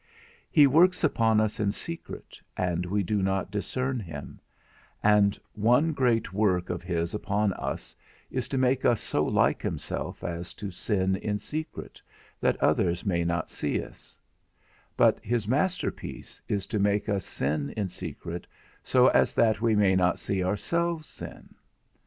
He works upon us in secret and we do not discern him; and one great work of his upon us is to make us so like himself as to sin in secret, that others may not see us; but his masterpiece is to make us sin in secret, so as that we may not see ourselves sin.